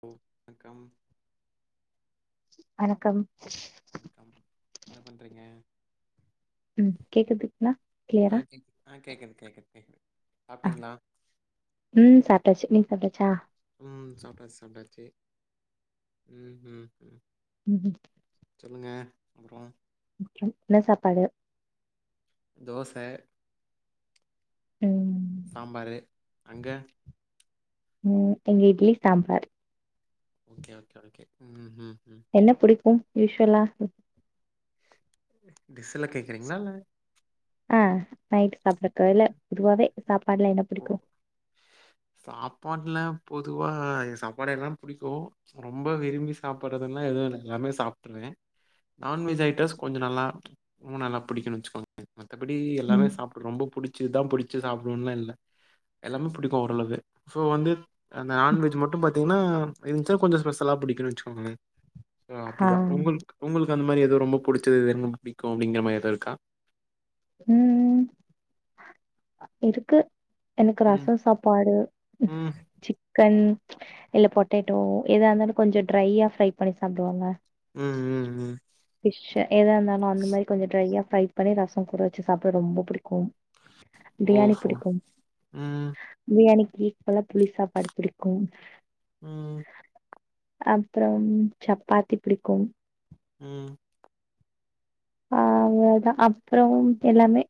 Come welcome வணக்கம் வணக்கம் என்ன பண்றீங்க உம் கேக்குதுங்ளா ஆஹ் கேக்கு ஆ கேக்குது கேக்குது கேக்குது ஆ சாப்ட்டீங்களா ம் சாப்ட்டாச்சு நீங்க சாப்ட்டாச்சா உம் சாப்ட்டாச்சு சாப்ட்டாச்சு உம் உஹம் உஹம் உஹம் சொல்லுங்க அப்றோ [unintelligible] என்ன சாப்பாடு தோச உம் சாம்பாரு அங்க உம் இங்க idli sambar okay okay okay உம் ஹும் என்ன புடிக்கும் யூஸ்வலா டிஸ்ல்ல கேக்குறீங்களா இல்ல ஆ நைட் சாப்டறக்கு இல்ல பொதுவாவே சாப்பாடுல என்ன ப்போ புடிக்கும் சாப்பாட்ல பொதுவாக சாப்பாடெல்லாம் பிடிக்கும் ரொம்ப விரும்பி சாப்பிடடு்றதுல்லாம் எதுவும் இல்ல எல்லாமே சாப்பி்ருவேன் நான்வெஜ் ஐட்டம்ஸ் கொஞ்சம் நல்லா நல்லா பிடிக்கன்னு வச்சுக்கோ மத்தப்படி எல்லாமே ம் சாப்பிட ரொம்ப புடிச்சதுதான் புடிச்சி வச்ச சாப்பிடும்னுலாம்ல்ல எல்லாமே புடிக்கு ஓரளவு சோ வந்து அந்த நான்வெஜ் மட்டும் பாத்தீங்கன்னா இருந்துச்சுனா கொஞ்ச ஸ்பெசலா பிடிக்குன்னு வச்சுக்கோங்களே ஆ அப்டிதா உங்களுக்கு உங்களுக்கு து அந்த மாரி ஏதோ ரொம்ப புடிச்சது எனக்கும் பிடிக்கும் அப்டிங்கிற மாரி ஏதாவது இருக்கா உம் இருக்கு எனக்கு ம் ரசம் சாப்பாடு ம் சிக்கன் இல்ல பொட்டேட்டோ எதா இருந்தாலு கொஞ்ச ட்ரையா ஃப்ரை பண்ணி சாப்டுவோல்ல உம் உம் உம் எதா இருந்தாலு அந்த மாரி கொஞ்ச ட்ரையா [unintelligible] பண்ணி ரசம் கூட ச்சு சாப்ட ரொம்ப புடிக்கும் பிரியாணி ஓஹோ! புடிக்கும் ம் பிரியாணி வீட்லல்லா புளி சாப்பாடு புடிக்கும் ம் அப்புறம் சப்பாத்தி பிடிக்கும் உம் அவ்ளோதா அப்றோம் எல்லாமே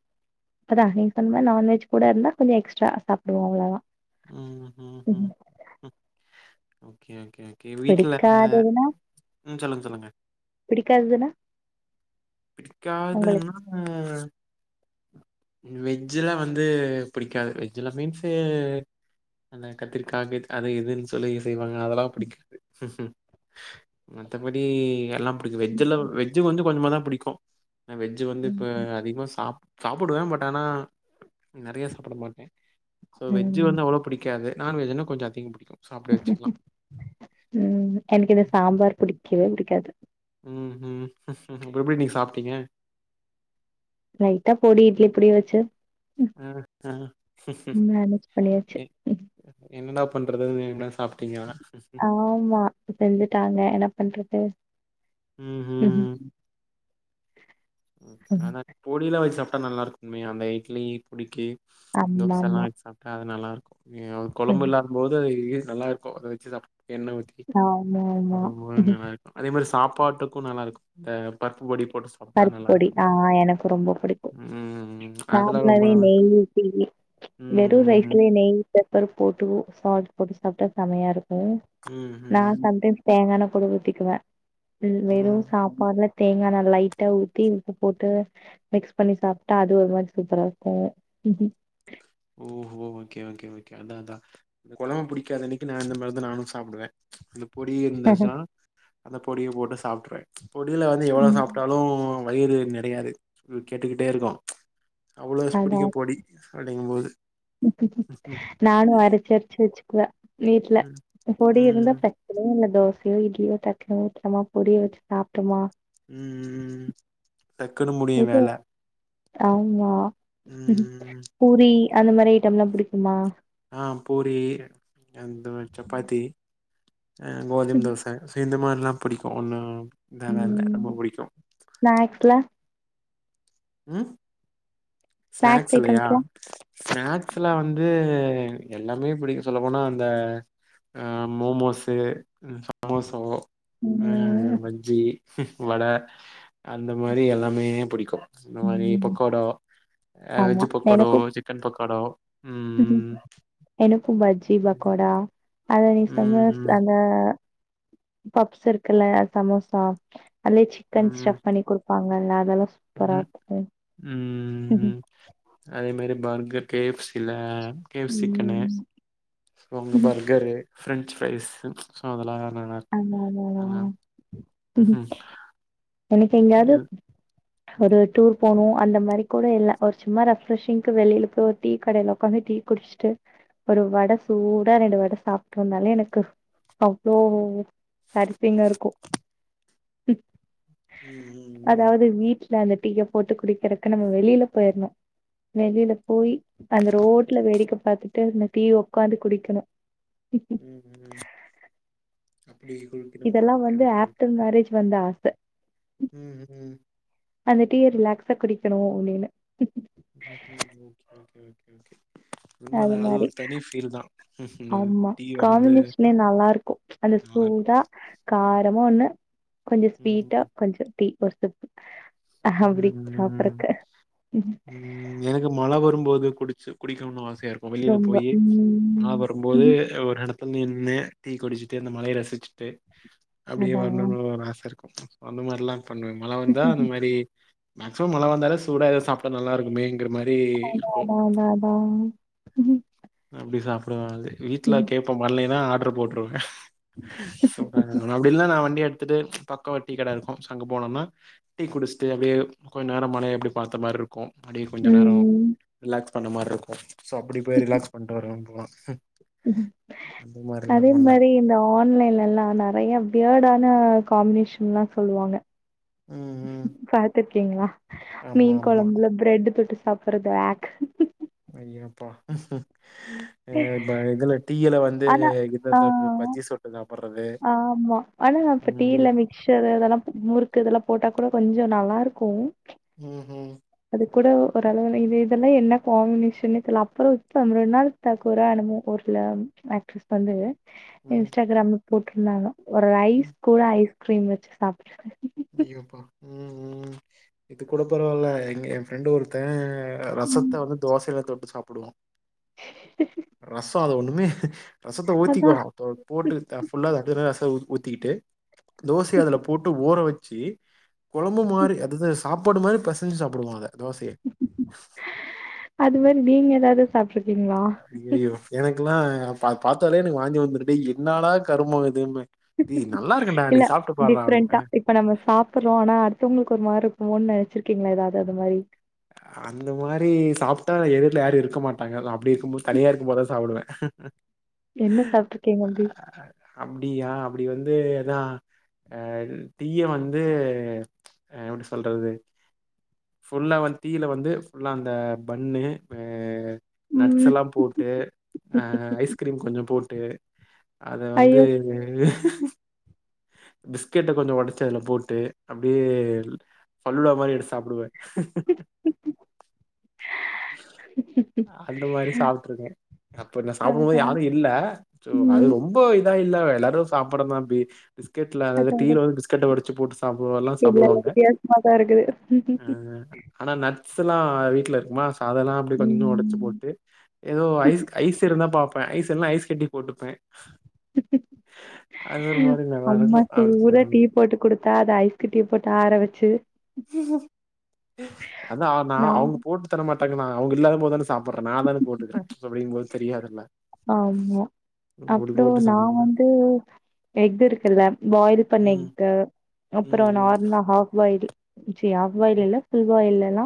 இப்பதா நீங்க சொன்ன மாரி நான்வெஜ் கூட இருந்தா கொஞ்ச எக்ஸ்ட்ரா சாப்டுவோ அவ்ளோதா உம் உஹ்ம் உஹ்ம் ஓகே ஓகே ஓகே வீட்டுல பிடிக்காததுன்னா ம் சொல்லுங்க சொல்லுங்க பிடிக்காதுனா படிக்காதுன்னா வெஜ்ஜ்ல வந்து புடிக்காது வெஜ்ஜ்ல மீன்ஸ் அந்த கத்திரிக்காக அதை எதுன்னு சொல்லி செய்வாங்க அதெல்லாம் பிடிக்காது மத்தப்படி எல்லாம் அங்கு வெஜ்ஜல்ல வெஜ்ஜு வந்து கொஞ்சமா தான் புடிக்கும் ஆனா வெஜ்ஜ் வந்து இப்ப அதிகமா சாப்ப சாப்படுவேன் பட் ஆனா நெறைய சாப்பட மாட்டேன் சோ வெஜ்ஜு ம் வந்து அவ்வளோ பிடிக்காது நான்வஜ்ன்னா கொஞ்சம் அதிகம் பிடிக்கும் ம் எனக்கு என்ன சாம்பார் புடிக்கவே புடி [unintelligible] உம் ஹம் அ எப்டி நீங்க சாப்பட்டீங்க லைட்டா பொடி இட்லி பொடி வச்சு ஆஹஹ மேனேஜ் பண்ணியாச்சு ம். என்னடா பண்றது என்ன சா ஆமா செஞ்சுட்டாங்க என்ன பண்றது ம் அதன பொடில வைச்ச பட்ட நல்லாிருக்குணுமே அந்த இட்லி பொடிக்கு ஆமா தோசை எல்லாம் ஆமா வச்ச சாப்பட்டா அதா நல்லா [unintelligible] அ ம். கொழம்புல்லா போது நல்லா இருக்கும் அத வச்சு எண்ண ஊற்றி ஆமா அப்ப போ ஆமா நல்லா இருக்கும் அதே மாரி சாப்ப பாட்டுக்கும் நல்லா இருக்கும் இந்த பருப்பு பொடி போட்டு சாப்ட்டா பருப்பு நல்லா பொடி இருக்கும் ஆ எனக்கு ரொம்ப பிடிக்கும் ம் அதெல்லாம் ரொம்ப நார்மலாவே நல்லா இருக்கும் நெய் ஊத்தி வெறும் ம் ரைஸ்லயே நெய் பேப்பர் போட்டு சால்ட் போட்டு சாப்பட்டா செமையா இருக்கும் ஹ ம் ம் நான் சந்த தேங்கான கூட ஊத்திக்குவேன் ம் வெறும் சாப்பாடுல தேங்கா நல்லா ட்ட ஊத்தி உப்ப போட்டு மிக்ஸ் பண்ணி சாப்பிட்டா அது ஒரு மாரி சூப்பரா இருக்கும் ஓஹோ ஓகே ஓகே ஓகே அதா அதா இந்த கொழம்பு புடிக்காத அன்னைக்கி நா இந்த மாரிதா நானு சாப்டுவே [unintelligible] புடியிருந்தசா அந்த பொடிய போட்டு சாப்ட்ருவே பொடியில வந்து எவ்வளோ சாப்ட்டாலும் வயிறு நிறையாது ம் கேட்டுக்கிட்டே இருக்கும் அவ்ளோ பிடிக்கு பொடி [unintelligible] ப்டிங்கும்போது நானும் அரைச்சு அரைச்சு வச்சுக்கவே வீட்ல ம் ம் பொடி இருந்தா ம் பிரச்சனயே இல்ல தோச யோ இட்லியோ தடல வெச்சமா பொரிடிய வச்சு சாப்பிட்டோமா டக்குனு முடியு இது வேல ஆமா உம் ம் பூரி அந்த மாரி ஐட்டம்லா பிடிக்குமா ஆஹ் பூரி அந்த சப்பாத்தி ஆ கோதும தோச சேந்த மாரி எல்லா பிடிக்கு ஒன்ன உம் ஸ்நாக்ஸ்ல உம் ஸ்நாக்ஸ் ஸ்நாக்ஸலயா ஐட்டம்ஸ்லா ஸ்நாக்ஸ்ல வந்து எனக் எல்லாமே புடிக்கு சொல்ல போனா அந்த ஆ மோமோஸு ஆ சமோசோவு ஆ ம் பஜ்ஜி வட அந்த மாரி எல்லாமே புடிக்கு அந்த மாரி ம் பக்கோடோ ஆ வெஜ் பக்கோடோ சிக்கன் பக்கோடோ ம் எனக்கும் பஜ்ஜி பக்கோடா அத நீ சொன்ன ம் ம் அத பஃப்ஸ் இருக்குல்ல சமோசா அதுலயே சிக்கன் ஸ்டஃப் பண்ணி குடுப்பாங் இல்லல்ல அதல உம் உம் உம் அதே மாரி பர்கர் கே எஃப் சி ல கே எஃப் சி சிக்கனு ம் அவங்க பர்கரு ஃப்ரெஞ்ச் ஃப்ரைஸு ஸோ அதெல்லா நல்லா இருக்கு ஆமா ஆமா ஆ மாமா ம்ஹூம் எனக்கு எங்காவது இது ஒரு டூர் போகனும் அந்த மாரி கூட இல்ல ஒரு சும்மா ரெஃப்ரெஷிங்கு வெளியில போய் டீ கடல உக்காந்து டீ குடிச்சுட்டு ஒரு வட சூடா ரெண்டு வட சாப்பட்டு வந்தாலே எனக்கு அவ்ளோ அரிசிங்க இருக்கும் ம் ம் அதாவது வீட் இ அந்த டீய போட்டு குடிக்கிறக்கு நம்ம வெளியில போயிடணும் வெளியில போய் அந்த ரோட்ல வேடிக்க பாத்துட்டு அந்த டீய உக்காந்து குடிக்கணும் ம் ம் அப்டி குளிக்கணு இதெலாம் ஓகே வந்து ஓகே ஓகே ஆப்டர் மேரேஜ் வந்தா ச ம் ம் அந்த டீய ரிலாக்ஸா குடிக்கணும் அப்டின்னு [inaudible] அது உண்மதா மாரி ஒரு தனி ஃபீல் தா ம்ஹ்ம் ஆமா டீ வந்து காம்பினேஷனே நல்லா இருக்கும் அந்த நல்லா இருக்கு சூடா காரமா ஒண்ணு கொஞ்சம் ஸ்வீட்டா ம் கொஞ்சம் டீ [inaudible] அப்டி ம் சாப்பறக்க ம் எனக்கு மழ வரும்போது குடிச்சு குடிக்கணும் வாச ச இருக்கும் வெளியில போய் மா வரும்போது ம் ஒரு நடத் இப்போ நின்று டீ குடிச்சிட்டு இந்தந்த மழய ரசிச்சிட்டு அப்டியே அதான். வரணும்னு ஆச இருக்கு அந்த மாரிலாம் பண்ணுவேன் மழ வந்தா அந்த மாரி மேக்சிமம் மழ வந்தால சூட எதவும் சாப்படா நல்லா இருக்குமே அது தா தா தா அப்டி சாப்படுவே அது வீட்டுல கேட்போம் வரலன்னா ஊற போட்ருவே சொல்றே அப்டி இல்ல நான வண்டி த்துட்டு பக்கம் டீ கட இருக்கும் சங்க போனம்னா டீ குடிச்சுட்டு அப்டியே கொஞ்ச நேரம் மழ எப்டி பாத்த மாதிரி இருக்கு இருக்கும் அடியே கொஞ்சம் நேரம் ம். ரிலாக்ஸ் பண்ண மாரி இருக்கும் சப்டி போயி ரிலாக்ஸ் [inaudible] அந்த மாரிலா அதே பண்ணே மாரி இந்த ஆன்லைன் எல்லாம் நெறைய பியர்டான காம்பினேஷன்ல்லாம் சொல்லுவாங்க ம் ம் பாத்துட் க்கீங்ளா ஆமா மீன் ஆமா கொழம்புல பிரெட் தொட்டு சாப்புறது ஆக் ஐயோ அப்பா ஆ இப்ப இதுல டீயல வந்து ஆனா இத ஆ தொட்டு பஜ்ஜி தொட்டு சா ஆமா ஆனா நா இப்ப டீயல மிக்சரு அதெல்லா முறுக்கு இதெல்லா போட்டா கூட கொஞ்ச நல்லா இரு இருக்கும் உஹம் உம் கூட ஓரளவுல இது இது இதெல்லா என்ன காம்பினேஷன்னே தெரில்ல அப்றோ இப்ப அந்த ரெண்டு நாள் [unintelligible] கூட என்னமோ ஊர்ல ஆக்ட்ரஸ் பண்றது ம் இன்ஸ்டாகிராம் போட்ருந்தாங்க ஒரு ரைஸ் கூட ஐஸ் க்ரீம் வச்சு சாப்றா ஐயோ அப்பா உம் உம் இது கூட பரவால எங்க என் ஃப்ரெண்டு ஒருத்த ரசத்தா வந்து தோசையில தொட்டு சாப்டே புடியா [unintelligible] ரசோ அத ஒண்ணுமே ரசத்த அதா ஊத்திக்குவோ அப்ற போட்டு அ ஃபுல்லா அப்டியே ரச த்த உத்திகிட்டு தோசையா அதுல போட்டு ஓறவெக் ச்சி கொழம்பு மாரி அதுதா ஸ் சாப்பாடு மாரி பெசைஞ்சு சாப்பிடுவோ அத தோசைய அது மாரி நீங்க ஏதாவது சாப்ட்ருக்கீங்களா? ஐயயோ எனக்கெலா ஆ பா பாத்தாலே எனக்கு வாந்தி வந்துரு டேய் என்னடா கருமோ இதும்பே இல்ல டிஃப்ரெண்டா அப்படிம்பேன். இப்ப நம்ம சாப்புறோம் ஆனா அடுத்தவங்களுக்கு ஒரு மாரி ஓன்னா வெச்சிருக்கீங்களா ஏதாவது அது மாரி அந்த மாரி சாப்டா எதுர்ல யாரு இருக்க மாட்டாங்க அது அப்டி இருக்கும்போது தனியா இருக்கும்போதுதா சாப்டுவே என்ன சாப்ட்ருக்கீங்க அப்டி? அப்டியா அப்டி வந்து இதா ஆ இது டீய வந்து ஆ எப்டி சொல்றது ஃபுல்லா வந் டீயில் வந்து ஃபுல்லாஅந்த பண்ணு ஹ நட்ஸ் ம் எல்லாம் போட்டு அஹ ஐஸ்கிரீம் கொஞ்சம் போட் ட்டு அத வந்து ஐயோ! பிஸ்கெட்ட கொஞ்ச ஒடைச்சு அதுல போட்டு அப்டியே ஃபலூடா மாரி எடுத்து சாப்டுவே [inaudible] அந்த மாரி சாப்ட்டுருக்கே அப்ப நா சாப்டும்போது அதா. யாரும் இல்ல சோ அது ம். ரொம்ப இதாயி இல்ல எல்லாரு சாப்டறதுதா பி பிஸ்கெட்ல அதாவது அதா அதா. டீயில வந்து பிஸ்கெட்ட ஒடச்சு போட்டு சாப்பிடுவ எல்லா இல்ல இல்ல சாப்டுவாங்க வித்தியாசமா தா இருக்குது. ஆ ஆனா நட் ட்ஸ்லா வீட்ல இருக்குமா அதெல்லா அப்டி கொஞ்ச ஒடைச்சு ம். போட்டு ஏதோ ஐஸ் ஐஸ் இருந்தா பாப் ப்ப ஐஸ் இல்லனா ஐஸ் கட்டிய போட்டுப் அது ஒரு மாரி நல்லாருக்கு அம்மா சூடா டீ போட்டு குடுத்தா அத ஐஸ்கட்டிய போட்டு ஆற வச்சு அதா ஆனா நான் அவங்க போட்டு தர மா மாட்டங்கான் அவங்க முதல போதான சாப்படுறே நானனே போட்டுக்கேன் அப்டிங்கும் போது தெரியாதுல்ல ஆமா அப்படி போட்டு அப்பறம் நான சமைப்பே வந்து எக் இருக்கிறத பாயில் பண்ண ம் எக் ம் அப்பறம் ம் நார்மல் ஹல்ப் பாய்ல் செரி பாயில்ல புபல் பாயில் ஹலோ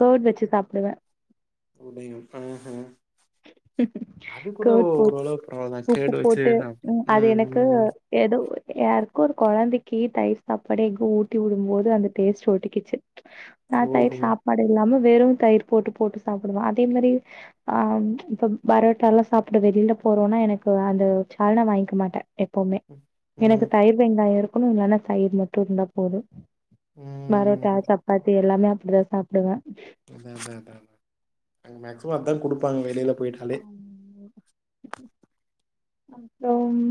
குர்ட் வச்சு சாப்ப ப்படுவே அடையும் ஆஹஹ கர்ட் போ ஓரளவுக்கு பரவால்லதா உப்பு கேடு வச்சு போட்டு சாப் உ அது ம் எனக்கு ம் ஏதோ யாருக்கும் ஒரு கொழந்தைக்கு தயிர் சாப்பாடு எக் ஊட்டி விடும்போது அந்த டேஸ்ட் ஒட்டக்குச்சு நான ஓஹோ தயிர் சாப்பாடு இல்லாம வெறும் தயிர் போட்டு போட்டு சாப்படுவான் அதே மாரி ஆ இப்ப பரோட்டா எல்லாம் சாப்பட்டு வெளியில போறோம்னா எனக்கு அந்த சாலன வாங்கிக்க மாட்டேன் எப்வுமே எனக்கு ம் தயிர் வெங்காயம் இருக்கும் அம் இல்லனா தயிர் மட்டும் இருந்தா போதும் பரோட்டா ம் சப்பாத்தி எல்லாமே அப்டிதான் சாப்படுவேன் அதான் அதான் அங்க மேக்சிமம் அதான் கொடுப்பாங்க வெளியல போயிட்டலே அப்பறம்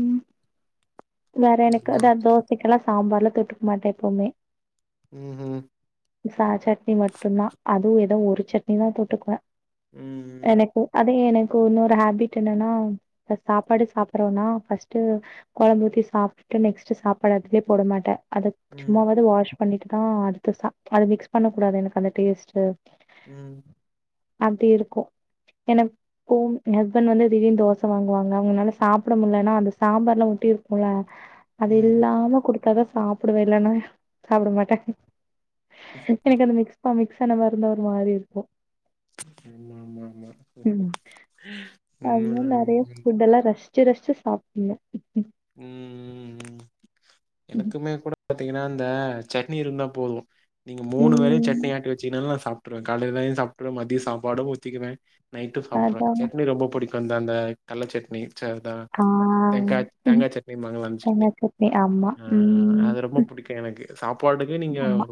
வேற எனக்கு அதா தோசைக்குெல்லாம் சாம்பார்லாம் தொட்டுக்க மாட்டேன் எப்வுமே ம் ம் சா சட்னி மட்டும்தான் அதுவும் ஏதோ ஒரு சட்னி தான் தொட்டுக்குவேன் ம் எனக்கு அது எனக்கு இ இன்னொரு ஹேபிட் என்னன்னா சாப்பாடு சாப்படடுறோம்னா ர்ஸ்ட்ட் குழம்பூஊத்தி சாப்பட்டு நெக்ஸ்ட் சாப்பாடு அதுலயே போட மாட்டேன் அது ம் சும்மாவது வாஷ் பண்ணிட்டு தான் அடுத்த சா அது மிக்ஸ் பண்ண கூடாது எனக்கு அந்த டேஸ்ட்டு ம் அப்டி இருக்கும் எனக்கும் என் ஹஸ்பண்ட் வந்து திடீர்னு தோசை வாங்குவாங்க அவங்கனால சாப்பட முலனா அந்த சாம்பார்லாம் ஒட்டி இருக்கும்ல அது ம் இல்லாம குடுத் அப்ப தான் சாப்படுவேன் இல்லன்னா சாப்பட மாட்டேன் எனக்கு அத மிக்ஸ் பண்ணி [inaudible] இருந்த ஒரு மாரி இருக்கும் ஆமா ஆமா ஆமா ம் அது உண்மதா நேறைய ஃபுட எல்லாம் ரஷ்ட ரசிசுசுசு சாப்படுடனும் ம் ம் ம் எனக்குமே கூட பாத்தீங்கன்னா இந்த சட்னி இருந்தா போதும் மூணு வேளயும் சட்னி ம் ஆட்டி வச்சீன்னால சா ச காலையில சாப்பவேன் மதியம் சாப்பாடு உதிகிவேன் நைட்டு சாப்ருவன் அதா சட்னி ரொம்பிடிக்கும் வந்த அந்த கள்ள சட்னி ஆ [inaudible] ம் தேங்கா சட்னி மங்களம் சட்னி தேங்கா ஆமா ஆ அது ரொம்ப ம் பிடிக்கும் எனக்கு சாப்பாடுக்கு நீங்க ஆமா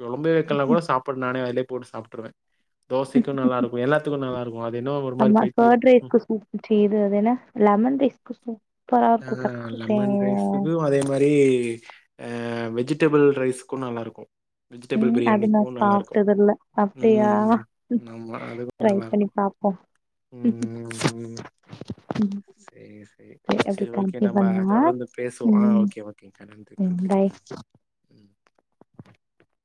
குழம்பு வைக்கலாம் கூட சாப்பாடு நானே அதுல போட்டு சாப்ட்ருவே தோசைக்கு நல்லா இருக்கு எல்லாத்துக்கு நல்லா இருக்கு அது என்னவோ ஒரு மாரி ஆமா பைத்தியோ பேர்ட் ரைஸ்கு சப்து அதுனா லெமன் ரைஸ்க்கு சூப்பரா இருக்கும் ஆ லெமன் ரைஷ்க்கும் அதே மாரி வெஜிடபிள் ரைஸ்க்கக்கும் நல்லாயிருக்கும் வெஜிடபிள் ம். அது நான் பிரியாணிக்கும் நல்லா இருக்கும் சாப்பிட்டதில்ல. அப்படியா? ம் ஆமா அதுவும் ட்ரை நல்லா பண்ணி இருக்கும் பார்ப்போம். ம் ம். செரி சரி. அப்படி செரி ஓகே நம்ம கண்டிப்பா தான். தொடர்ந்து பேசுவோம் ஆ ம். ஓகே ஓகே நன்றி ம். நன்றி பை. [inaudible]